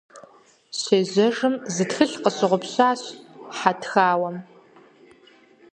Щежьэжым, зы тхылъ къыщыгъупщащ хьэтхауэм.